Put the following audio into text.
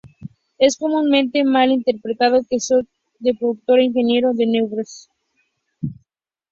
Es comúnmente mal interpretado que Spot fue el productor e ingeniero de "Nervous Breakdown".